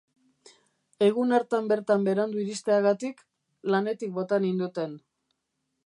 Egun hartan bertan berandu iristeagatik, lanetik bota ninduten.